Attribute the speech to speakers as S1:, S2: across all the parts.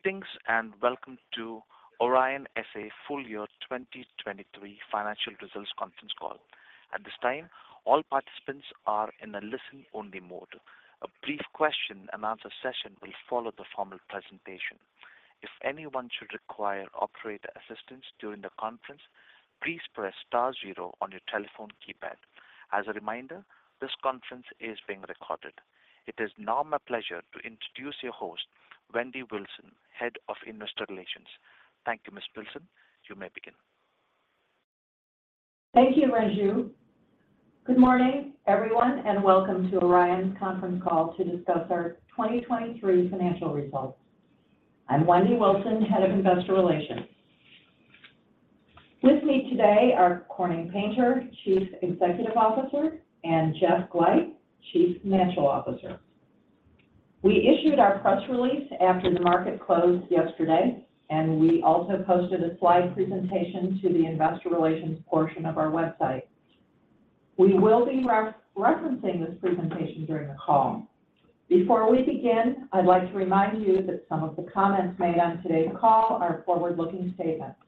S1: Greetings and welcome to Orion S.A. Full Year 2023 Financial Results Conference Call. At this time, all participants are in a listen-only mode. A brief question-and-answer session will follow the formal presentation. If anyone should require operator assistance during the conference, please press star zero on your telephone keypad. As a reminder, this conference is being recorded. It is now my pleasure to introduce your host, Wendy Wilson, Head of Investor Relations. Thank you, Ms. Wilson. You may begin.
S2: Thank you, Renju. Good morning, everyone, and welcome to Orion's conference call to discuss our 2023 financial results. I'm Wendy Wilson, Head of Investor Relations. With me today are Corning Painter, Chief Executive Officer, and Jeff Glajch, Chief Financial Officer. We issued our press release after the market closed yesterday, and we also posted a slide presentation to the Investor Relations portion of our website. We will be referencing this presentation during the call. Before we begin, I'd like to remind you that some of the comments made on today's call are forward-looking statements.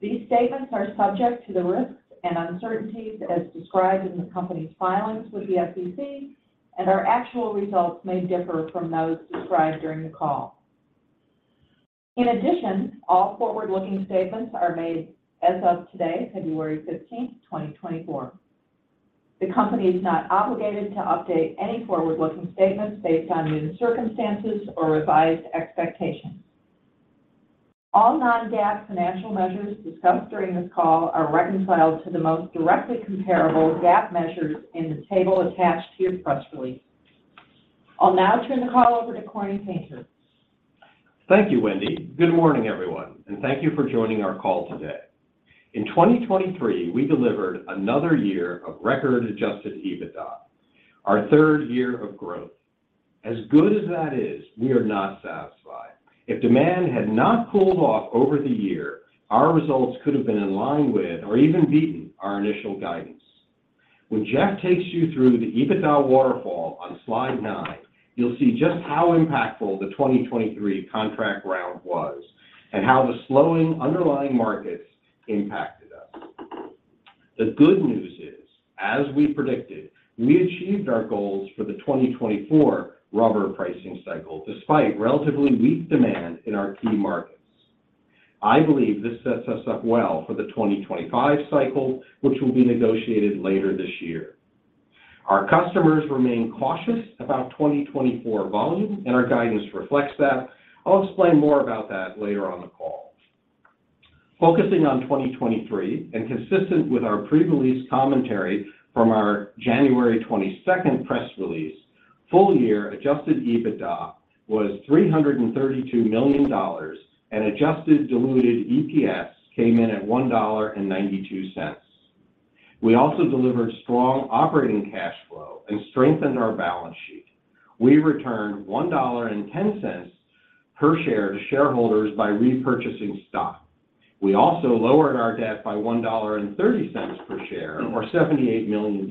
S2: These statements are subject to the risks and uncertainties as described in the company's filings with the SEC, and our actual results may differ from those described during the call. In addition, all forward-looking statements are made as of today, February 15, 2024. The company is not obligated to update any forward-looking statements based on new circumstances or revised expectations. All non-GAAP financial measures discussed during this call are reconciled to the most directly comparable GAAP measures in the table attached to your press release. I'll now turn the call over to Corning Painter.
S3: Thank you, Wendy. Good morning, everyone, and thank you for joining our call today. In 2023, we delivered another year of record adjusted EBITDA, our third year of growth. As good as that is, we are not satisfied. If demand had not cooled off over the year, our results could have been in line with or even beaten our initial guidance. When Jeff takes you through the EBITDA waterfall on slide nine, you'll see just how impactful the 2023 contract round was and how the slowing underlying markets impacted us. The good news is, as we predicted, we achieved our goals for the 2024 rubber pricing cycle despite relatively weak demand in our key markets. I believe this sets us up well for the 2025 cycle, which will be negotiated later this year. Our customers remain cautious about 2024 volume, and our guidance reflects that. I'll explain more about that later on the call. Focusing on 2023 and consistent with our pre-release commentary from our January 22 press release, full-year adjusted EBITDA was $332 million, and adjusted diluted EPS came in at $1.92. We also delivered strong operating cash flow and strengthened our balance sheet. We returned $1.10 per share to shareholders by repurchasing stock. We also lowered our debt by $1.30 per share, or $78 million.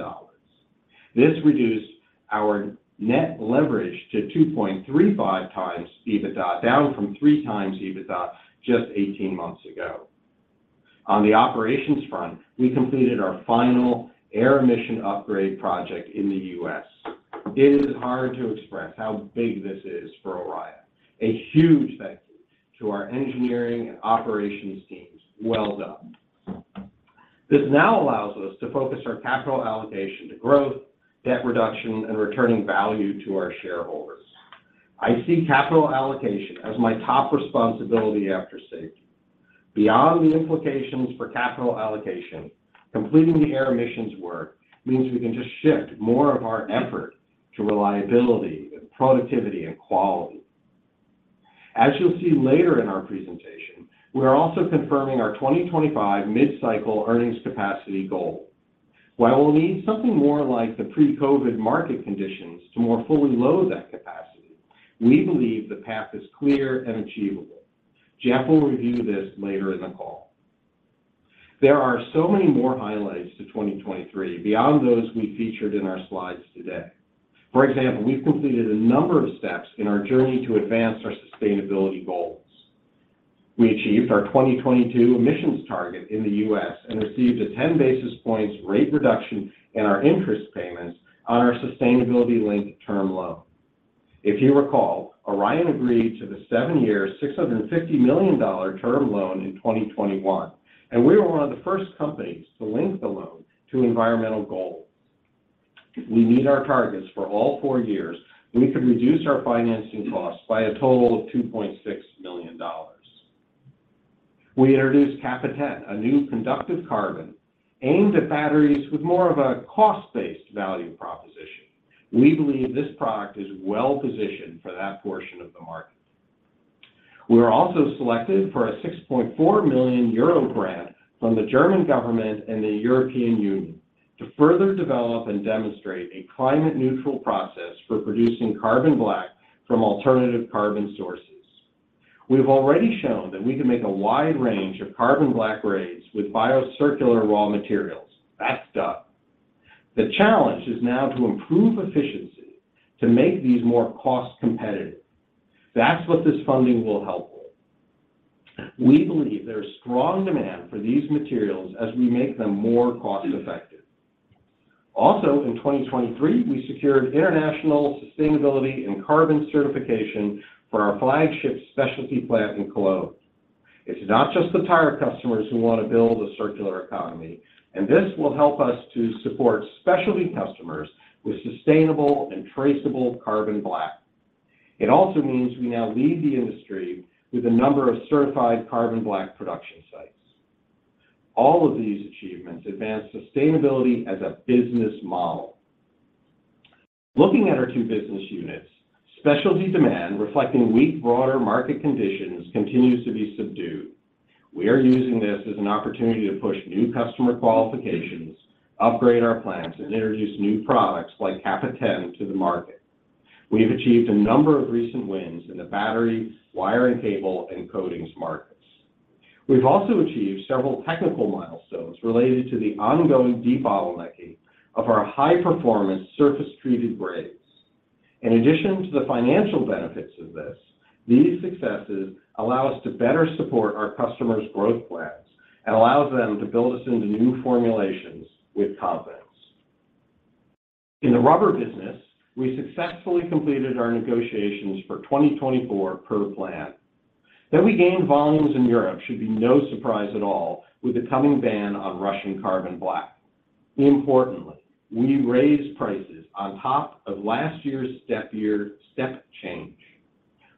S3: This reduced our net leverage to 2.35 times EBITDA, down from 3 times EBITDA just 18 months ago. On the operations front, we completed our final air emission upgrade project in the U.S. It is hard to express how big this is for Orion. A huge thank you to our engineering and operations teams. Well done. This now allows us to focus our capital allocation to growth, debt reduction, and returning value to our shareholders. I see capital allocation as my top responsibility after safety. Beyond the implications for capital allocation, completing the air emissions work means we can just shift more of our effort to reliability and productivity and quality. As you'll see later in our presentation, we are also confirming our 2025 mid-cycle earnings capacity goal. While we'll need something more like the pre-COVID market conditions to more fully load that capacity, we believe the path is clear and achievable. Jeff will review this later in the call. There are so many more highlights to 2023 beyond those we featured in our slides today. For example, we've completed a number of steps in our journey to advance our sustainability goals. We achieved our 2022 emissions target in the U.S. and received a 10 basis points rate reduction in our interest payments on our sustainability-linked term loan. If you recall, Orion agreed to the seven-year, $650 million term loan in 2021, and we were one of the first companies to link the loan to environmental goals. If we meet our targets for all four years, we could reduce our financing costs by a total of $2.6 million. We introduced Cap10, a new conductive carbon, aimed at batteries with more of a cost-based value proposition. We believe this product is well positioned for that portion of the market. We were also selected for a 6.4 million euro grant from the German government and the European Union to further develop and demonstrate a climate-neutral process for producing carbon black from alternative carbon sources. We've already shown that we can make a wide range of carbon black grades with bio-circular raw materials. That's done. The challenge is now to improve efficiency to make these more cost-competitive. That's what this funding will help with. We believe there is strong demand for these materials as we make them more cost-effective. Also, in 2023, we secured international sustainability and carbon certification for our flagship specialty plant in Cologne. It's not just the tire customers who want to build a circular economy, and this will help us to support specialty customers with sustainable and traceable carbon black. It also means we now lead the industry with a number of certified carbon black production sites. All of these achievements advance sustainability as a business model. Looking at our two business units, specialty demand, reflecting weak broader market conditions, continues to be subdued. We are using this as an opportunity to push new customer qualifications, upgrade our plants, and introduce new products like CAP10 to the market. We've achieved a number of recent wins in the battery, wiring cable, and coatings markets. We've also achieved several technical milestones related to the ongoing debottlenecking of our high-performance surface-treated grades. In addition to the financial benefits of this, these successes allow us to better support our customers' growth plans and allow them to build us into new formulations with confidence. In the rubber business, we successfully completed our negotiations for 2024 per plan. That we gained volumes in Europe should be no surprise at all with the coming ban on Russian carbon black. Importantly, we raised prices on top of last year's step change.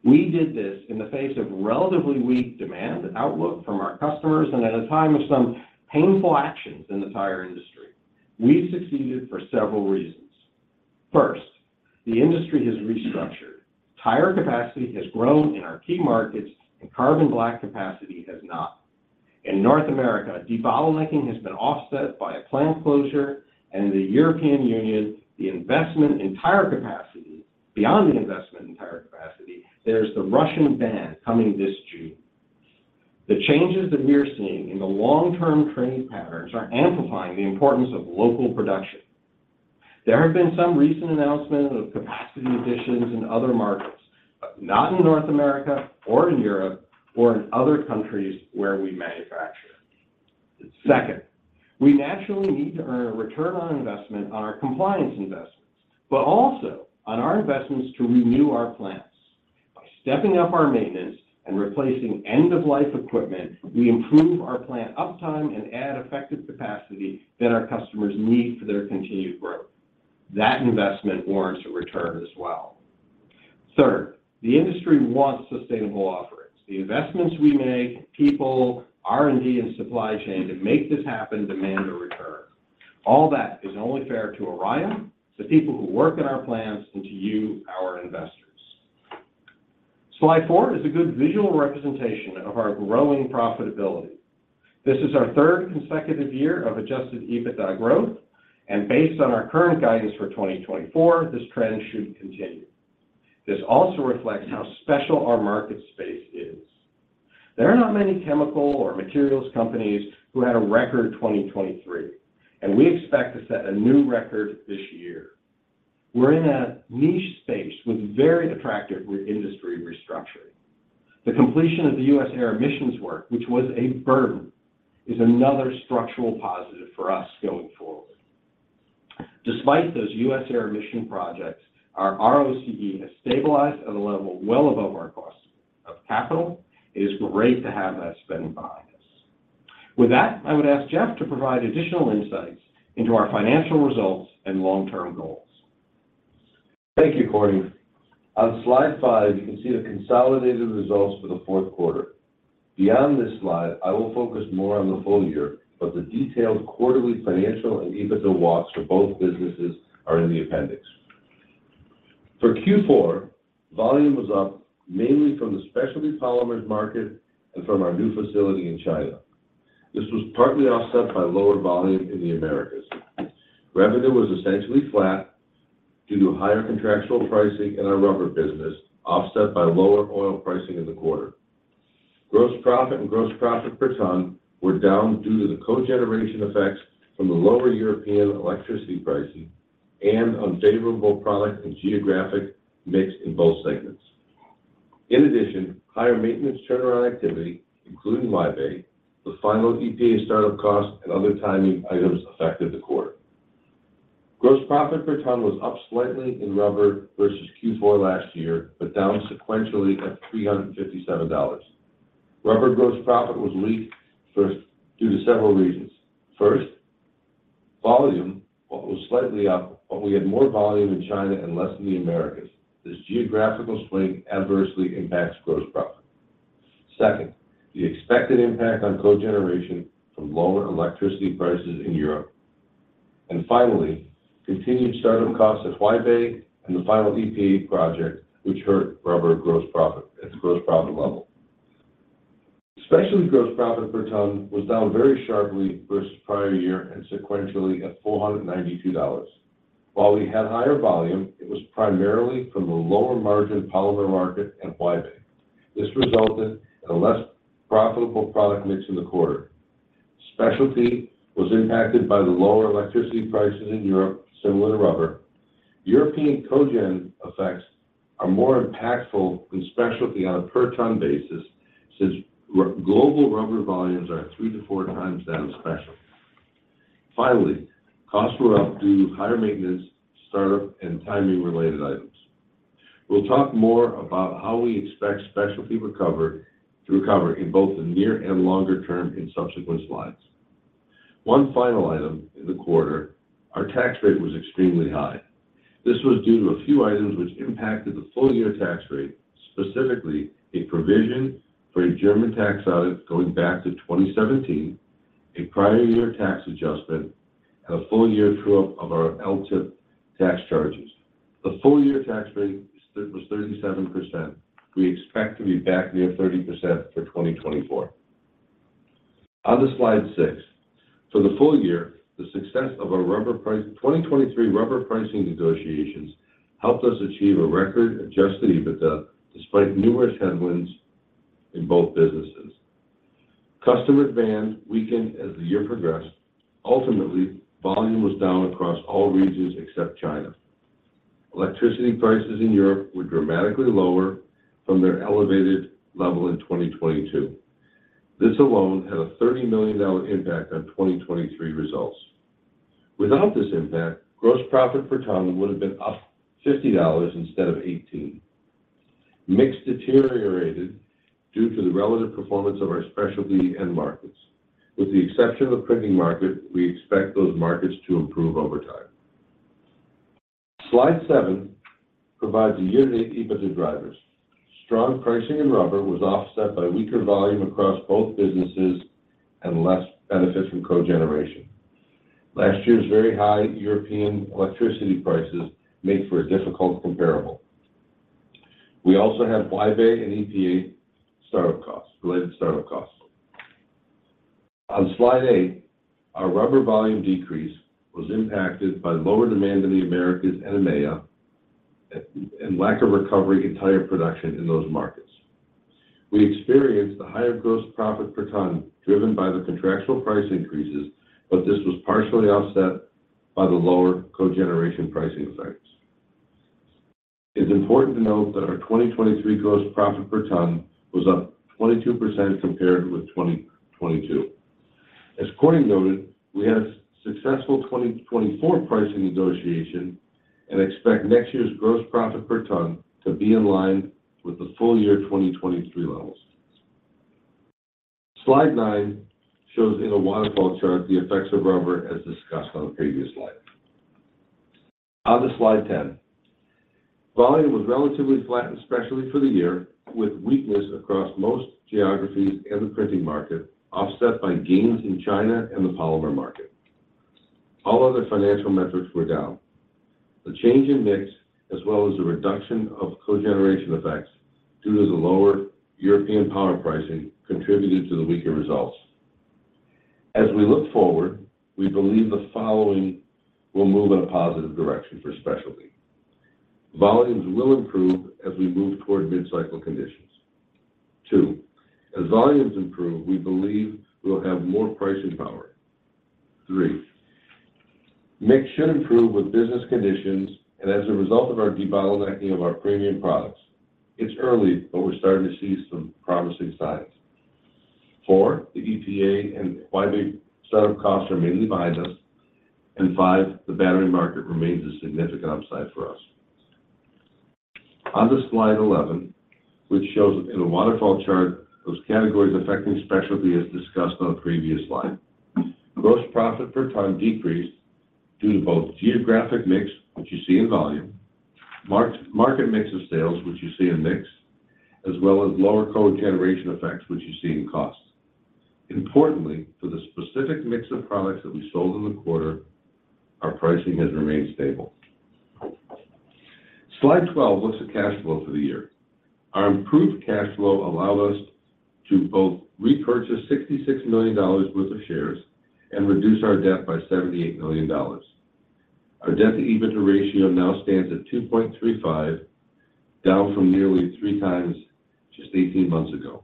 S3: We did this in the face of relatively weak demand outlook from our customers and at a time of some painful actions in the tire industry. We succeeded for several reasons. First, the industry has restructured. Tire capacity has grown in our key markets, and carbon black capacity has not. In North America, debottlenecking has been offset by a plant closure, and in the European Union, the investment in tire capacity beyond the investment in tire capacity, there is the Russian ban coming this June. The changes that we are seeing in the long-term trade patterns are amplifying the importance of local production. There have been some recent announcements of capacity additions in other markets, but not in North America or in Europe or in other countries where we manufacture. Second, we naturally need to earn a return on investment on our compliance investments, but also on our investments to renew our plants. By stepping up our maintenance and replacing end-of-life equipment, we improve our plant uptime and add effective capacity that our customers need for their continued growth. That investment warrants a return as well. Third, the industry wants sustainable offerings. The investments we make, people, R&D, and supply chain to make this happen demand a return. All that is only fair to Orion, the people who work at our plants, and to you, our investors. Slide 4 is a good visual representation of our growing profitability. This is our third consecutive year of Adjusted EBITDA growth, and based on our current guidance for 2024, this trend should continue. This also reflects how special our market space is. There are not many chemical or materials companies who had a record 2023, and we expect to set a new record this year. We're in a niche space with very attractive industry restructuring. The completion of the U.S. air emissions work, which was a burden, is another structural positive for us going forward. Despite those U.S. air emission projects, our ROCE has stabilized at a level well above our cost of capital. It is great to have that spending behind us. With that, I would ask Jeff to provide additional insights into our financial results and long-term goals.
S4: Thank you, Corning. On slide 5, you can see the consolidated results for the fourth quarter. Beyond this slide, I will focus more on the full year, but the detailed quarterly financial and EBITDA walks for both businesses are in the appendix. For Q4, volume was up mainly from the specialty polymers market and from our new facility in China. This was partly offset by lower volume in the Americas. Revenue was essentially flat due to higher contractual pricing in our rubber business, offset by lower oil pricing in the quarter. Gross profit and gross profit per ton were down due to the cogeneration effects from the lower European electricity pricing and unfavorable product and geographic mix in both segments. In addition, higher maintenance turnaround activity, including live aid, the final EPA startup cost, and other timing items affected the quarter. Gross profit per ton was up slightly in rubber versus Q4 last year, but down sequentially at $357. Rubber gross profit was weak due to several reasons. First, volume, which was slightly up, but we had more volume in China and less in the Americas. This geographical swing adversely impacts gross profit. Second, the expected impact on cogeneration from lower electricity prices in Europe. And finally, continued startup costs at Belpre and the final EPA project, which hurt rubber gross profit at the gross profit level. Specialty gross profit per ton was down very sharply versus prior year and sequentially at $492. While we had higher volume, it was primarily from the lower margin polymer market and Belpre. This resulted in a less profitable product mix in the quarter. Specialty was impacted by the lower electricity prices in Europe, similar to rubber. European cogen effects are more impactful than specialty on a per-ton basis since global rubber volumes are 3-4 times that of special. Finally, costs were up due to higher maintenance, startup, and timing-related items. We'll talk more about how we expect specialty to recover in both the near and longer term in subsequent slides. One final item in the quarter, our tax rate was extremely high. This was due to a few items which impacted the full-year tax rate, specifically a provision for a German tax audit going back to 2017, a prior-year tax adjustment, and a full-year true-up of our LTIP tax charges. The full-year tax rate was 37%. We expect to be back near 30% for 2024. On Slide 6, for the full year, the success of our 2023 rubber pricing negotiations helped us achieve a record adjusted EBITDA despite numerous headwinds in both businesses. Customer demand weakened as the year progressed. Ultimately, volume was down across all regions except China. Electricity prices in Europe were dramatically lower from their elevated level in 2022. This alone had a $30 million impact on 2023 results. Without this impact, gross profit per ton would have been up $50 instead of $18. Mix deteriorated due to the relative performance of our specialty and markets. With the exception of the printing market, we expect those markets to improve over time. Slide 7 provides a unit of EBITDA drivers. Strong pricing in rubber was offset by weaker volume across both businesses and less benefits from cogeneration. Last year's very high European electricity prices make for a difficult comparable. We also had Wide Bay and EPA related startup costs. On Slide 8, our rubber volume decrease was impacted by lower demand in the Americas and EMEA and lack of recovery in tire production in those markets. We experienced the higher gross profit per ton driven by the contractual price increases, but this was partially offset by the lower cogeneration pricing effects. It's important to note that our 2023 gross profit per ton was up 22% compared with 2022. As Corning noted, we had a successful 2024 pricing negotiation and expect next year's gross profit per ton to be in line with the full-year 2023 levels. Slide 9 shows in a waterfall chart the effects of rubber as discussed on the previous slide. On Slide 10, volume was relatively flat, especially for the year, with weakness across most geographies and the printing market offset by gains in China and the polymer market. All other financial metrics were down. The change in mix, as well as the reduction of cogeneration effects due to the lower European power pricing, contributed to the weaker results. As we look forward, we believe the following will move in a positive direction for specialty. Volumes will improve as we move toward mid-cycle conditions. Two, as volumes improve, we believe we'll have more pricing power. Three, mix should improve with business conditions and as a result of our debottlenecking of our premium products. It's early, but we're starting to see some promising signs. Four, the EPA and Wide Bay startup costs are mainly behind us. And five, the battery market remains a significant upside for us. On Slide 11, which shows in a waterfall chart those categories affecting specialty as discussed on the previous slide, gross profit per ton decreased due to both geographic mix, which you see in volume, market mix of sales, which you see in mix, as well as lower cogeneration effects, which you see in cost. Importantly, for the specific mix of products that we sold in the quarter, our pricing has remained stable. Slide 12 looks at cash flow for the year. Our improved cash flow allowed us to both repurchase $66 million worth of shares and reduce our debt by $78 million. Our debt-to-EBITDA ratio now stands at 2.35, down from nearly three times just 18 months ago.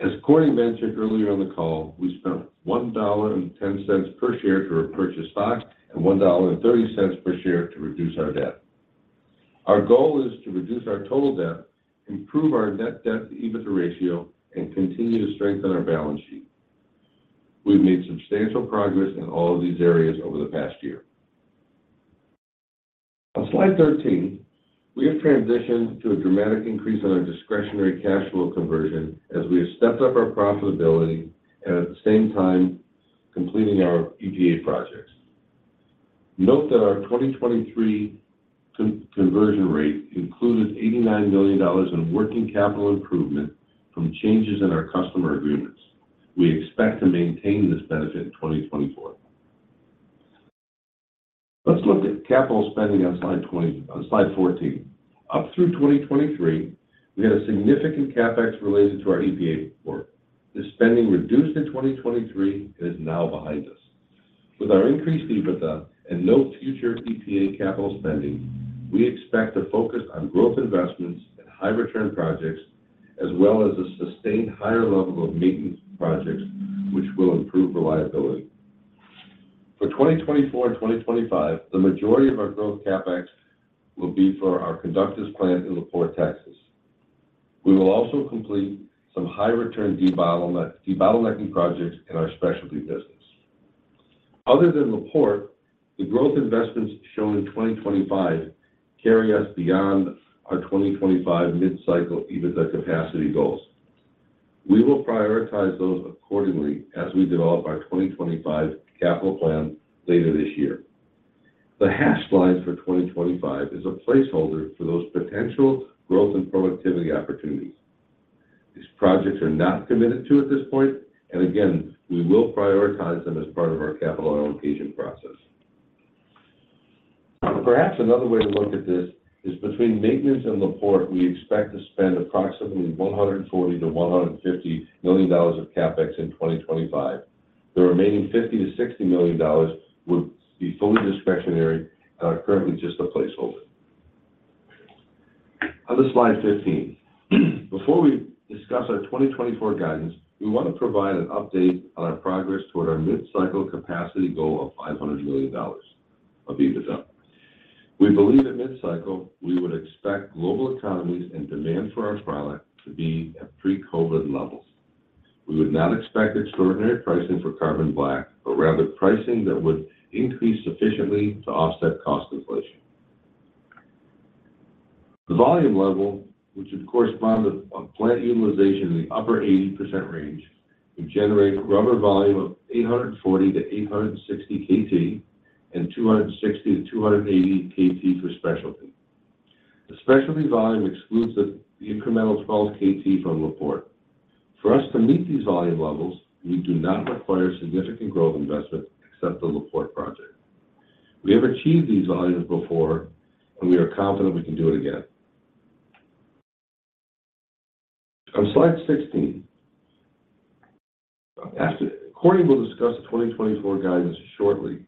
S4: As Corning mentioned earlier on the call, we spent $1.10 per share to repurchase stock and $1.30 per share to reduce our debt. Our goal is to reduce our total debt, improve our net debt-to-EBITDA ratio, and continue to strengthen our balance sheet. We've made substantial progress in all of these areas over the past year. On slide 13, we have transitioned to a dramatic increase in our discretionary cash flow conversion as we have stepped up our profitability and at the same time completing our EPA projects. Note that our 2023 conversion rate included $89 million in working capital improvement from changes in our customer agreements. We expect to maintain this benefit in 2024. Let's look at capital spending on slide 14. Up through 2023, we had a significant CapEx related to our EPA work. The spending reduced in 2023 is now behind us. With our increased EBITDA and no future EPA capital spending, we expect to focus on growth investments and high-return projects, as well as a sustained higher level of maintenance projects, which will improve reliability. For 2024 and 2025, the majority of our growth CapEx will be for our conductive plant in La Porte, Texas. We will also complete some high-return debottlenecking projects in our specialty business. Other than La Porte, the growth investments shown in 2025 carry us beyond our 2025 mid-cycle EBITDA capacity goals. We will prioritize those accordingly as we develop our 2025 capital plan later this year. The hash line for 2025 is a placeholder for those potential growth and productivity opportunities. These projects are not committed to at this point, and again, we will prioritize them as part of our capital allocation process. Perhaps another way to look at this is between maintenance and La Porte, we expect to spend approximately $140-$150 million of CapEx in 2025. The remaining $50-$60 million would be fully discretionary and are currently just a placeholder. On slide 15, before we discuss our 2024 guidance, we want to provide an update on our progress toward our mid-cycle capacity goal of $500 million of EBITDA. We believe at mid-cycle, we would expect global economies and demand for our product to be at pre-COVID levels. We would not expect extraordinary pricing for carbon black, but rather pricing that would increase sufficiently to offset cost inflation. The volume level, which would correspond to plant utilization in the upper 80% range, would generate rubber volume of 840-860 KT and 260-280 KT for specialty. The specialty volume excludes the incremental 12 KT from La Porte. For us to meet these volume levels, we do not require significant growth investment except the La Porte project. We have achieved these volumes before, and we are confident we can do it again. On slide 16, Corning will discuss the 2024 guidance shortly,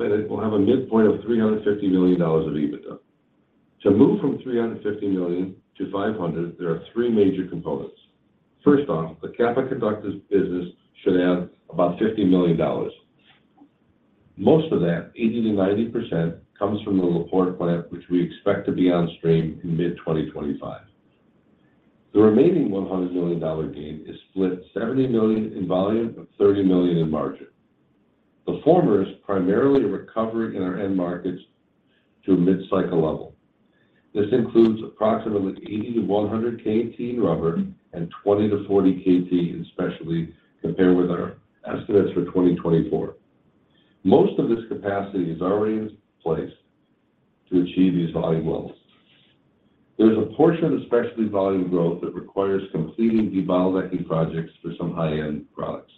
S4: but it will have a midpoint of $350 million of EBITDA. To move from $350 million to $500 million, there are three major components. First off, the conductive carbon business should add about $50 million. Most of that, 80%-90%, comes from the La Porte plant, which we expect to be on stream in mid-2025. The remaining $100 million gain is split: $70 million in volume and $30 million in margin. The former is primarily recovering in our end markets to a mid-cycle level. This includes approximately 80-100 KT in rubber and 20-40 KT in specialty compared with our estimates for 2024. Most of this capacity is already in place to achieve these volume levels. There's a portion of the specialty volume growth that requires completing debottlenecking projects for some high-end products.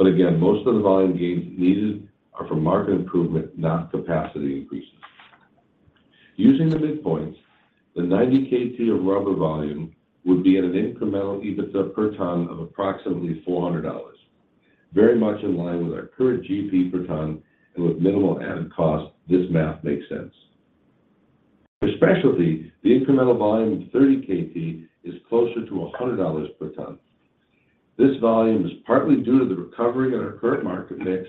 S4: But again, most of the volume gains needed are for market improvement, not capacity increases. Using the midpoints, the 90 KT of rubber volume would be at an incremental EBITDA per ton of approximately $400, very much in line with our current GP per ton and with minimal added cost. This math makes sense. For specialty, the incremental volume of 30 KT is closer to $100 per ton. This volume is partly due to the recovery in our current market mix,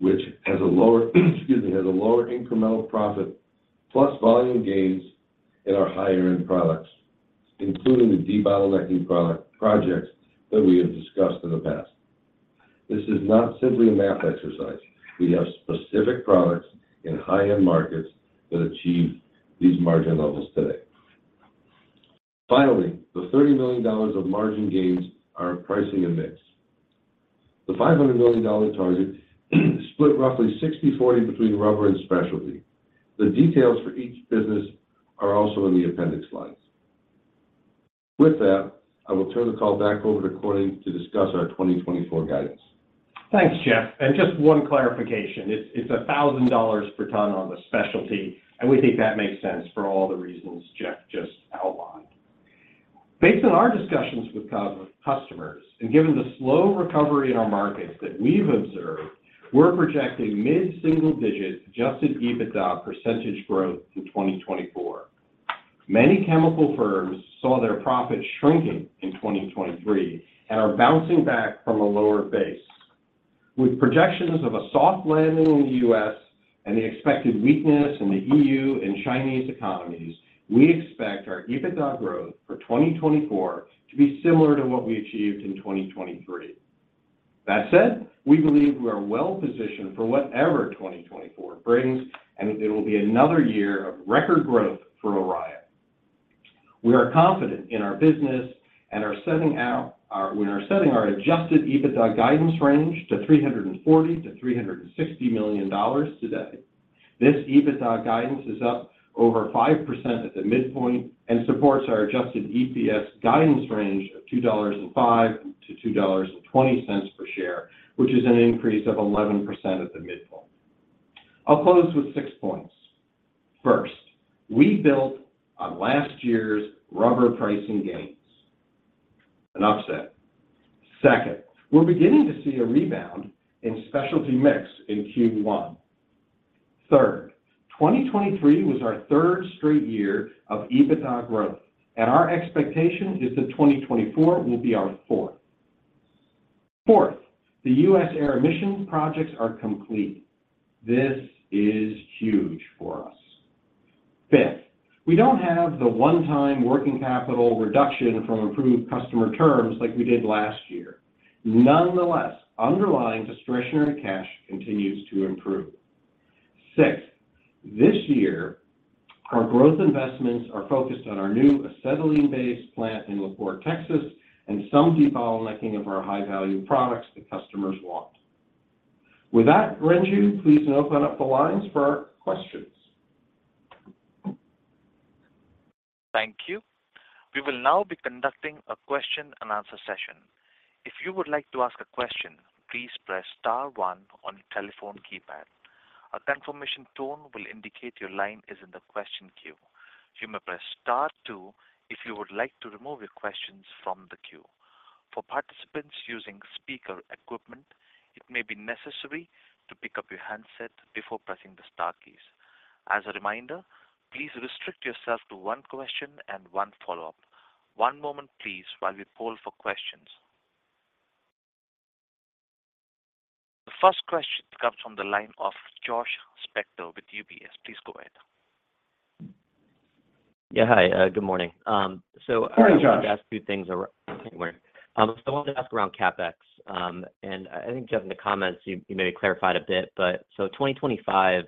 S4: which has a lower excuse me, has a lower incremental profit plus volume gains in our higher-end products, including the debottlenecking projects that we have discussed in the past. This is not simply a math exercise. We have specific products in high-end markets that achieve these margin levels today. Finally, the $30 million of margin gains are pricing a mix. The $500 million target split roughly 60/40 between rubber and specialty. The details for each business are also in the appendix slides. With that, I will turn the call back over to Corning to discuss our 2024 guidance.
S3: Thanks, Jeff. Just one clarification. It's $1,000 per ton on the specialty, and we think that makes sense for all the reasons Jeff just outlined. Based on our discussions with customers and given the slow recovery in our markets that we've observed, we're projecting mid-single-digit adjusted EBITDA percentage growth in 2024. Many chemical firms saw their profits shrinking in 2023 and are bouncing back from a lower base. With projections of a soft landing in the US and the expected weakness in the EU and Chinese economies, we expect our EBITDA growth for 2024 to be similar to what we achieved in 2023. That said, we believe we are well-positioned for whatever 2024 brings, and it will be another year of record growth for Orion. We are confident in our business and are setting out when we're setting our adjusted EBITDA guidance range to $340-$360 million today. This EBITDA guidance is up over 5% at the midpoint and supports our adjusted EPS guidance range of $2.05-$2.20 per share, which is an increase of 11% at the midpoint. I'll close with six points. First, we built on last year's rubber pricing gains, an upset. Second, we're beginning to see a rebound in specialty mix in Q1. Third, 2023 was our third straight year of EBITDA growth, and our expectation is that 2024 will be our fourth. Fourth, the U.S. air emissions projects are complete. This is huge for us. Fifth, we don't have the one-time working capital reduction from improved customer terms like we did last year. Nonetheless, underlying discretionary cash continues to improve. Sixth, this year, our growth investments are focused on our new acetylene-based plant in La Porte, Texas, and some debottlenecking of our high-value products that customers want. With that, Renju, please open up the lines for questions.
S1: Thank you. We will now be conducting a question-and-answer session. If you would like to ask a question, please press star one on your telephone keypad. A confirmation tone will indicate your line is in the question queue. You may press star two if you would like to remove your questions from the queue. For participants using speaker equipment, it may be necessary to pick up your handset before pressing the star keys. As a reminder, please restrict yourself to one question and one follow-up. One moment, please, while we poll for questions. The first question comes from the line of Josh Spector with UBS. Please go ahead.
S5: Yeah, hi. Good morning. So I wanted to ask two things around anyway. So I wanted to ask around CapEx. And I think, Jeff, in the comments, you may have clarified a bit. So 2025,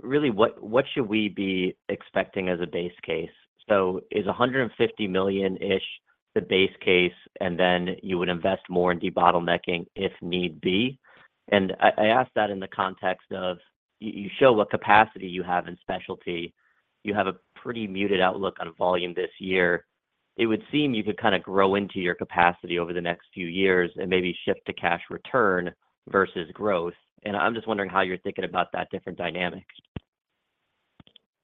S5: really, what should we be expecting as a base case? So is $150 million the base case, and then you would invest more in debottlenecking if need be? And I asked that in the context of you show what capacity you have in specialty. You have a pretty muted outlook on volume this year. It would seem you could kind of grow into your capacity over the next few years and maybe shift to cash return versus growth. And I'm just wondering how you're thinking about that different dynamic.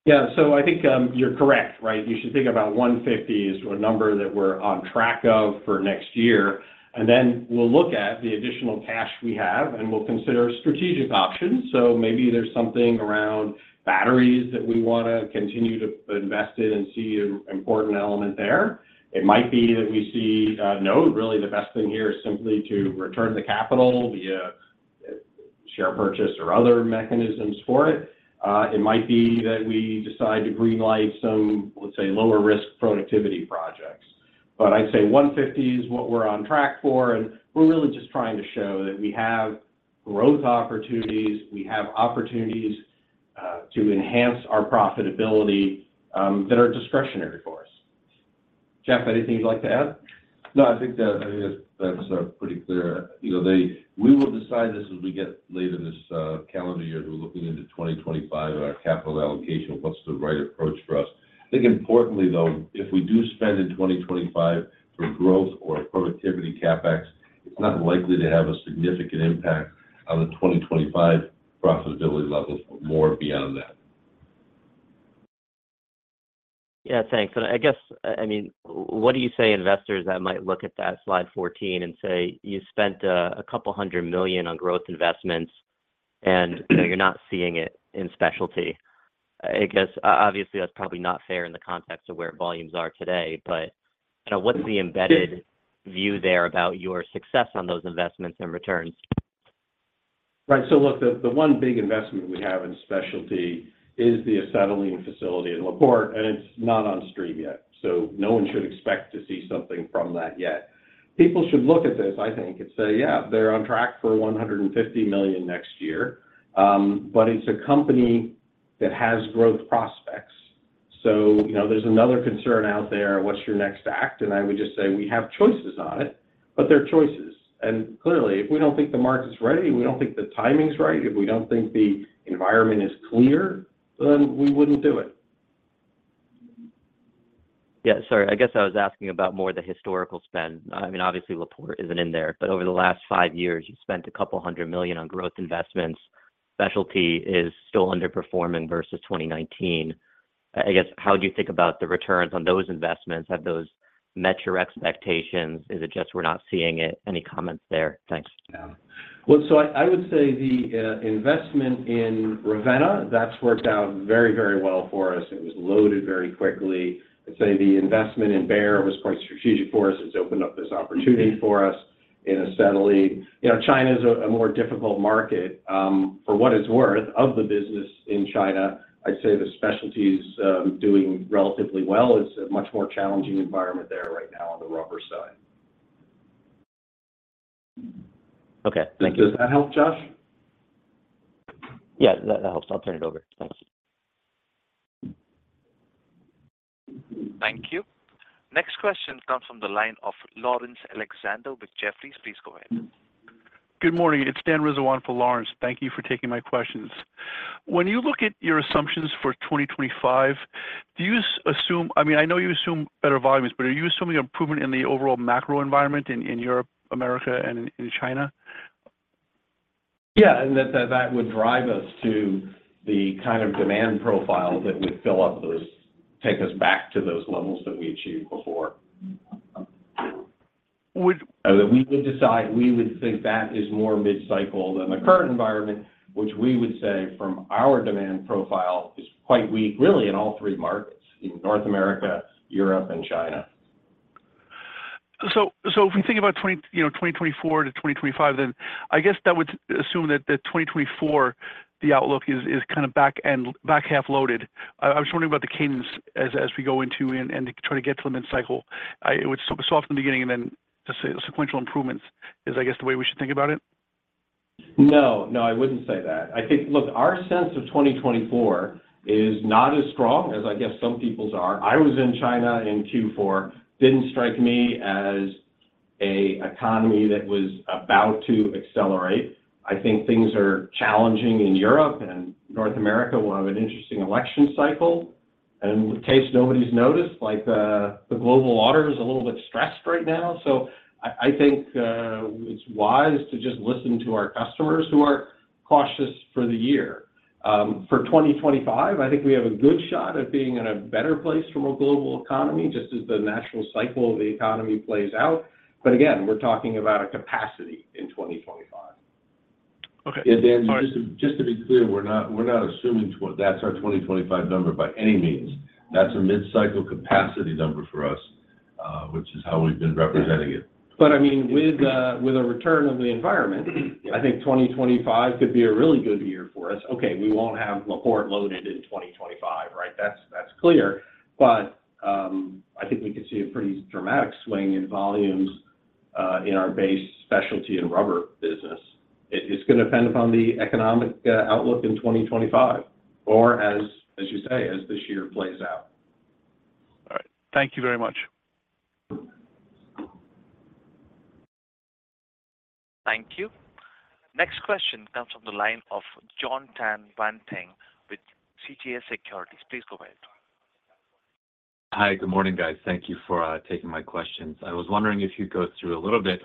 S2: Yeah. So I think you're correct, right? You should think about $150 as a number that we're on track of for next year. And then we'll look at the additional cash we have, and we'll consider strategic options. So maybe there's something around batteries that we want to continue to invest in and see an important element there. It might be that we see no, really, the best thing here is simply to return the capital via share purchase or other mechanisms for it. It might be that we decide to greenlight some, let's say, lower-risk productivity projects. But I'd say $150 is what we're on track for, and we're really just trying to show that we have growth opportunities. We have opportunities to enhance our profitability that are discretionary for us. Jeff, anything you'd like to add?
S4: No, I think that's pretty clear. We will decide this as we get later this calendar year. We're looking into 2025 and our capital allocation. What's the right approach for us? I think, importantly, though, if we do spend in 2025 for growth or productivity CapEx, it's not likely to have a significant impact on the 2025 profitability levels or more beyond that.
S5: Yeah, thanks. I guess, I mean, what do you say to investors that might look at that slide 14 and say, "You spent $200 million on growth investments, and you're not seeing it in specialty"? I guess, obviously, that's probably not fair in the context of where volumes are today. But what's the embedded view there about your success on those investments and returns?
S2: Right. So look, the one big investment we have in specialty is the acetylene facility in La Porte, and it's not on stream yet. So no one should expect to see something from that yet. People should look at this, I think, and say, "Yeah, they're on track for $150 million next year." But it's a company that has growth prospects. So there's another concern out there. What's your next act? And I would just say we have choices on it, but they're choices. And clearly, if we don't think the market's ready, we don't think the timing's right. If we don't think the environment is clear, then we wouldn't do it.
S5: Yeah, sorry. I guess I was asking about more of the historical spend. I mean, obviously, La Porte isn't in there. But over the last five years, you spent $200 million on growth investments. Specialty is still underperforming versus 2019. I guess, how do you think about the returns on those investments? Have those met your expectations? Is it just we're not seeing it? Any comments there? Thanks.
S2: Yeah. Well, so I would say the investment in Ravenna, that's worked out very, very well for us. It was loaded very quickly. I'd say the investment in Bayer was quite strategic for us. It's opened up this opportunity for us in acetylene. China is a more difficult market. For what it's worth of the business in China, I'd say the specialty is doing relatively well. It's a much more challenging environment there right now on the rubber side.
S5: Okay. Thank you.
S2: Does that help, Josh?
S5: Yeah, that helps. I'll turn it over. Thanks.
S3: Thank you. Next question comes from the line of Laurence Alexander with Jefferies. Please go ahead.
S6: Good morning. It's Dan Rizzo for Laurence. Thank you for taking my questions. When you look at your assumptions for 2025, do you assume I mean, I know you assume better volumes, but are you assuming improvement in the overall macro environment in Europe, America and in China?
S2: Yeah. That would drive us to the kind of demand profile that would fill up those take us back to those levels that we achieved before.
S6: Would.
S2: That we would decide we would think that is more mid-cycle than the current environment, which we would say from our demand profile is quite weak, really, in all three markets: in North America, Europe, and China.
S6: So if we think about 2024 to 2025, then I guess that would assume that 2024, the outlook is kind of back half-loaded. I was wondering about the cadence as we go into and try to get to the mid-cycle. It would soften the beginning and then just sequential improvements is, I guess, the way we should think about it?
S2: No, no, I wouldn't say that. Look, our sense of 2024 is not as strong as I guess some people's are. I was in China in Q4. Didn't strike me as an economy that was about to accelerate. I think things are challenging in Europe, and North America will have an interesting election cycle. And in case nobody's noticed, the global order is a little bit stressed right now. So I think it's wise to just listen to our customers who are cautious for the year. For 2025, I think we have a good shot at being in a better place from a global economy, just as the natural cycle of the economy plays out. But again, we're talking about a capacity in 2025.
S6: Okay.
S3: Yeah, Dan, just to be clear, we're not assuming that's our 2025 number by any means. That's a mid-cycle capacity number for us, which is how we've been representing it.
S2: But I mean, with a return of the environment, I think 2025 could be a really good year for us. Okay, we won't have La Porte loaded in 2025, right? That's clear. But I think we could see a pretty dramatic swing in volumes in our base specialty and rubber business. It's going to depend upon the economic outlook in 2025 or, as you say, as this year plays out.
S6: All right. Thank you very much.
S1: Thank you. Next question comes from the line of Jon Tanwanteng with CJS Securities. Please go ahead.
S7: Hi. Good morning, guys. Thank you for taking my questions. I was wondering if you'd go through a little bit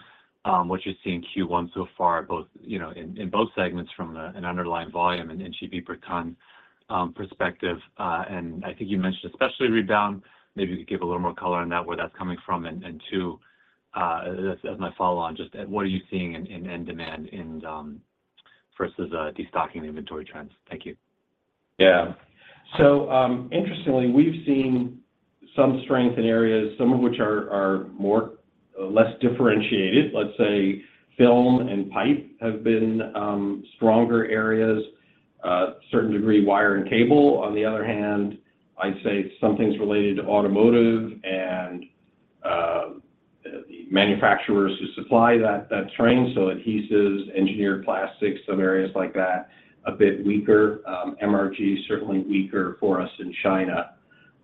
S7: what you're seeing Q1 so far in both segments from an underlying volume and GP per ton perspective. And I think you mentioned especially rebound. Maybe you could give a little more color on that, where that's coming from. And two, as my follow-on, just what are you seeing in end demand versus destocking the inventory trends? Thank you.
S2: Yeah. So interestingly, we've seen some strength in areas, some of which are less differentiated. Let's say film and pipe have been stronger areas, a certain degree wire and cable. On the other hand, I'd say something's related to automotive and the manufacturers who supply that train. So adhesives, engineered plastics, some areas like that, a bit weaker. MRG, certainly weaker for us in China.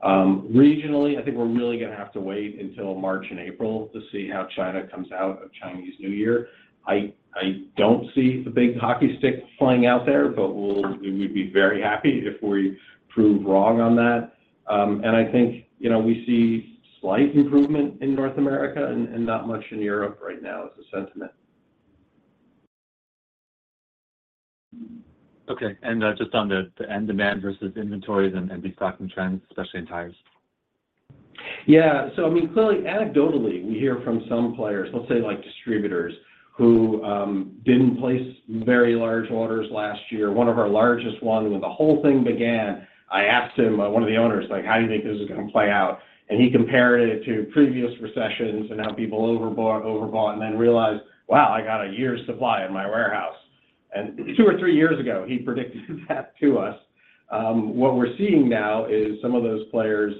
S2: Regionally, I think we're really going to have to wait until March and April to see how China comes out of Chinese New Year. I don't see a big hockey stick playing out there, but we would be very happy if we prove wrong on that. And I think we see slight improvement in North America and not much in Europe right now is the sentiment.
S7: Okay. Just on the end demand versus inventories and destocking trends, especially in tires?
S2: Yeah. So I mean, clearly, anecdotally, we hear from some players, let's say distributors, who didn't place very large orders last year. One of our largest ones, when the whole thing began, I asked him, one of the owners, "How do you think this is going to play out?" And he compared it to previous recessions and how people overbought and then realized, "Wow, I got a year's supply in my warehouse." And two or three years ago, he predicted that to us. What we're seeing now is some of those players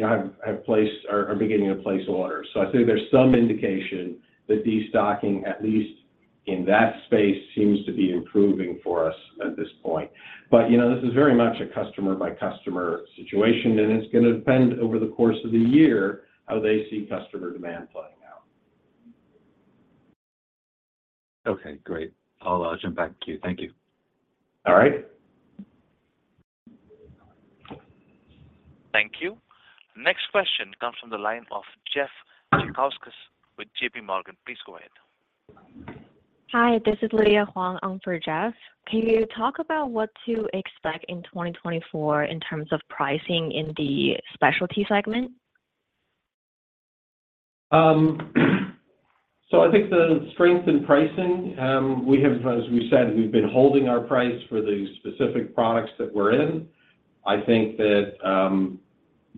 S2: have placed are beginning to place orders. So I think there's some indication that destocking, at least in that space, seems to be improving for us at this point. But this is very much a customer-by-customer situation, and it's going to depend over the course of the year how they see customer demand playing out.
S7: Okay. Great. I'll jump back to you. Thank you.
S2: All right.
S3: Thank you. Next question comes from the line of Jeff Zekauskas with JP Morgan. Please go ahead.
S8: Hi. This is Liisa Hurme for Jeff. Can you talk about what to expect in 2024 in terms of pricing in the specialty segment?
S2: So I think the strength in pricing, as we said, we've been holding our price for the specific products that we're in. I think that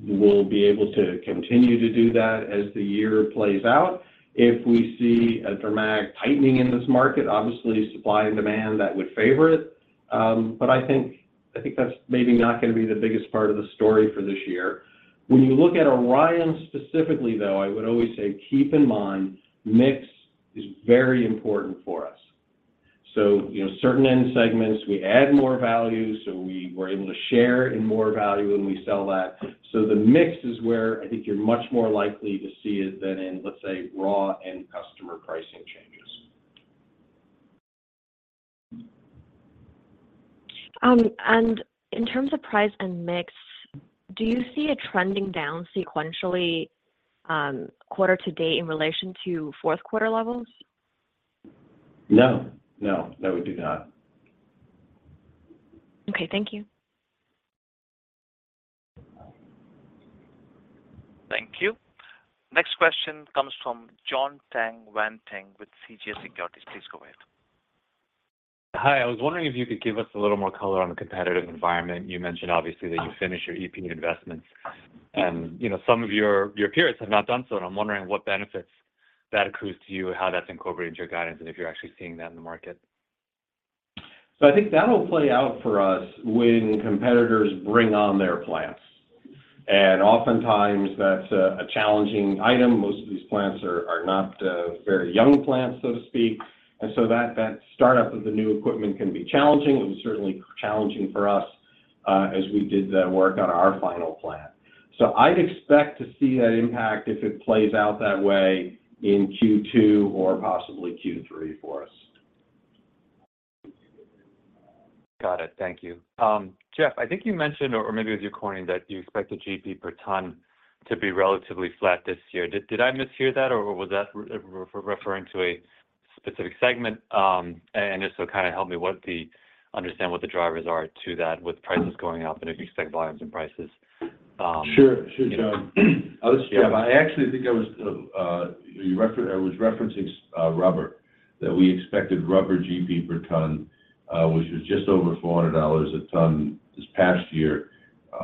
S2: we'll be able to continue to do that as the year plays out. If we see a dramatic tightening in this market, obviously, supply and demand, that would favor it. But I think that's maybe not going to be the biggest part of the story for this year. When you look at Orion specifically, though, I would always say keep in mind mix is very important for us. So certain end segments, we add more value, so we're able to share in more value when we sell that. So the mix is where I think you're much more likely to see it than in, let's say, raw end customer pricing changes.
S8: In terms of price and mix, do you see a trending down sequentially quarter to date in relation to fourth-quarter levels?
S2: No, no, no, we do not.
S8: Okay. Thank you.
S3: Thank you. Next question comes from Jon Tanwanteng with CJS Securities. Please go ahead.
S7: Hi. I was wondering if you could give us a little more color on the competitive environment. You mentioned, obviously, that you finish your EPA investments. Some of your peers have not done so, and I'm wondering what benefits that accrues to you and how that's incorporated into your guidance and if you're actually seeing that in the market.
S2: So I think that'll play out for us when competitors bring on their plants. And oftentimes, that's a challenging item. Most of these plants are not very young plants, so to speak. And so that startup of the new equipment can be challenging. It was certainly challenging for us as we did the work on our final plant. So I'd expect to see that impact if it plays out that way in Q2 or possibly Q3 for us.
S7: Got it. Thank you. Jeff, I think you mentioned, or maybe it was Corning, that you expect the GP per ton to be relatively flat this year. Did I mishear that, or was that referring to a specific segment? And just so kind of help me understand what the drivers are to that with prices going up and if you expect volumes and prices.
S4: Sure, sure, Jon. I actually think I was referencing rubber, that we expected rubber GP per ton, which was just over $400 a ton this past year.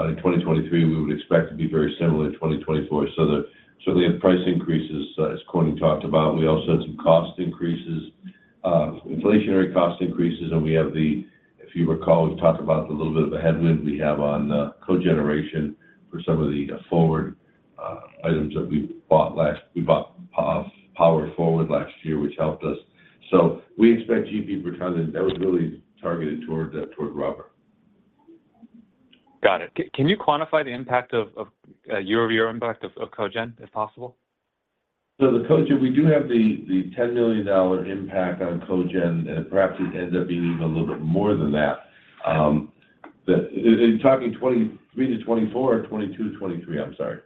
S4: In 2023, we would expect to be very similar in 2024. So there certainly are price increases, as Corning talked about. We also had some cost increases, inflationary cost increases. We have the, if you recall, we talked about the little bit of a headwind we have on cogeneration for some of the forward items that we bought last year, we bought power forward last year, which helped us. So we expect GP per ton, and that was really targeted toward rubber.
S7: Got it. Can you quantify the impact of year-over-year impact of Cogen, if possible?
S3: So the Cogen, we do have the $10 million impact on Cogen, and perhaps it ends up being even a little bit more than that. Are you talking 2023 to 2024 or 2022 to 2023? I'm sorry.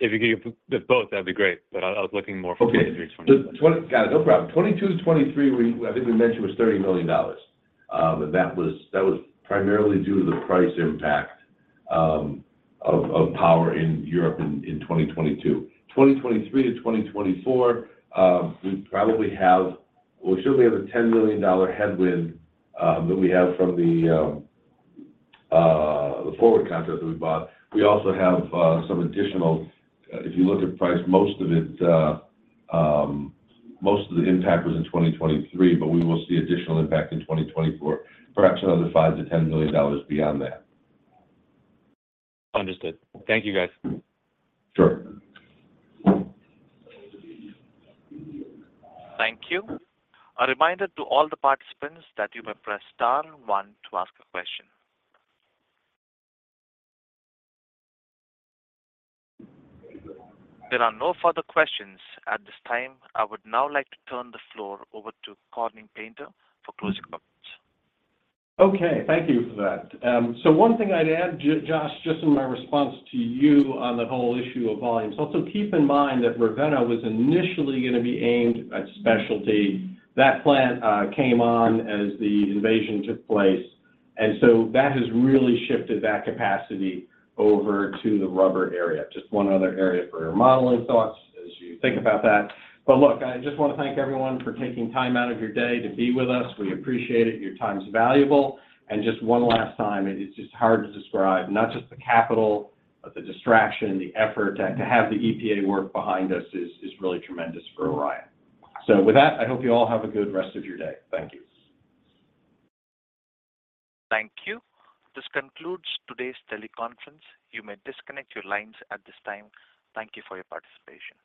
S7: If you could give both, that'd be great, but I was looking more for 2023-2024.
S3: Got it. No problem. 2022 to 2023, I think we mentioned was $30 million, and that was primarily due to the price impact of power in Europe in 2022. 2023 to 2024, we probably have well, we certainly have a $10 million headwind that we have from the forward contract that we bought. We also have some additional if you look at price, most of it most of the impact was in 2023, but we will see additional impact in 2024, perhaps another $5-$10 million beyond that.
S7: Understood. Thank you, guys.
S3: Sure.
S1: Thank you. A reminder to all the participants that you may press star one to ask a question. There are no further questions at this time. I would now like to turn the floor over to Corning Painter for closing remarks.
S3: Okay. Thank you for that. So one thing I'd add, Josh, just in my response to you on that whole issue of volumes. Also, keep in mind that Ravenna was initially going to be aimed at specialty. That plant came on as the invasion took place, and so that has really shifted that capacity over to the rubber area. Just one other area for your modeling thoughts as you think about that. But look, I just want to thank everyone for taking time out of your day to be with us. We appreciate it. Your time's valuable. And just one last time, it's just hard to describe. Not just the capital, but the distraction, the effort to have the EPA work behind us is really tremendous for Orion. So with that, I hope you all have a good rest of your day. Thank you.
S1: Thank you. This concludes today's teleconference. You may disconnect your lines at this time. Thank you for your participation.